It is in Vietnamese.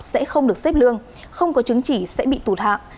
sẽ không được xếp lương không có chứng chỉ sẽ bị tụt hạng